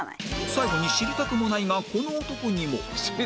最後に知りたくもないがこの男にも